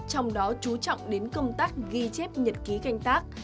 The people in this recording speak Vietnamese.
trong đó chú trọng đến công tác ghi chép nhật ký canh tác